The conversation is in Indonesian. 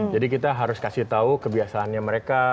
jadi kita harus kasih tahu kebiasaannya mereka